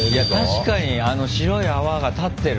確かに白い泡が立ってるね。